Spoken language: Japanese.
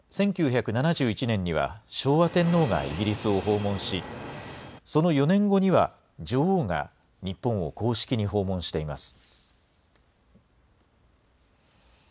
１９７１年には、昭和天皇がイギリスを訪問し、その４年後には、女王が日本を公式に訪問しています。